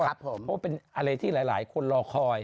เพราะว่าเป็นอะไรที่หลายคนรอคอย